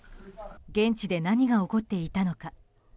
現地で何が起こっていたのか。